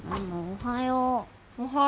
おはよう。